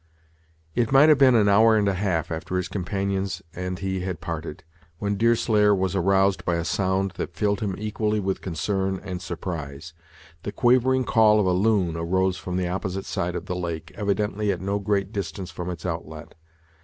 It might have been an hour and a half after his companions and he had parted, when Deerslayer was aroused by a sound that filled him equally with concern and surprise. The quavering call of a loon arose from the opposite side of the lake, evidently at no great distance from its outlet.